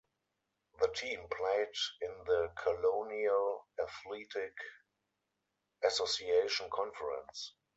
The team played in the Colonial Athletic Association conference.